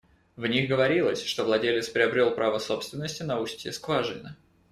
В них говорилось, что владелец приобрел право собственности на устье скважины.